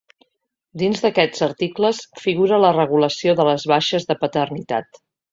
Dins d’aquests articles figura la regulació de les baixes de paternitat.